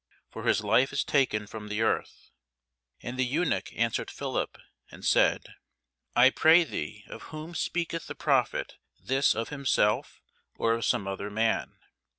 for his life is taken from the earth. And the eunuch answered Philip, and said, I pray thee, of whom speaketh the prophet this? of himself, or of some other man?